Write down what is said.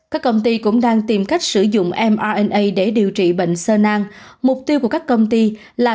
các công ty cũng đang tìm cách sử dụng mrna để điều trị bệnh sơ nang mục tiêu của các công ty là